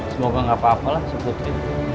semoga gak apa apa lah si putri